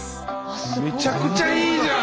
めちゃくちゃいいじゃない。